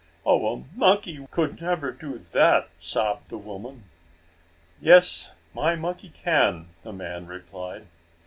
"Oh, a monkey could never do that!" sobbed the woman. "Yes, my monkey can," the man replied.